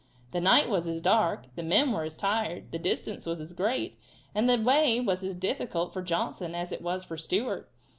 The night was as dark, the men were as tired, the distance was as great, and the way was as difficult for Johnson as for Stewart.